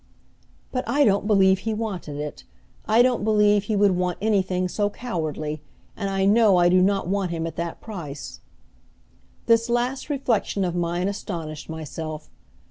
"But I don't believe he wanted it, I don't believe he would want anything so cowardly! and I know I do not want him at that price." This last reflection of mine astonished myself.